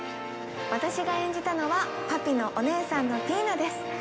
ワタシが演じたのはパピのお姉さんのピイナです。